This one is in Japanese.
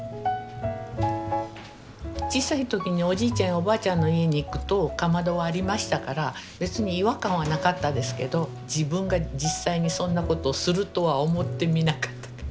小さい時におじいちゃんやおばあちゃんの家に行くとかまどはありましたから別に違和感はなかったですけど自分が実際にそんなことをするとは思ってみなかったと。